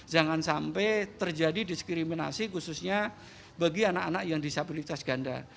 jangan sampai terjadi diskriminasi khususnya bagi anak anak yang disabilitas ganda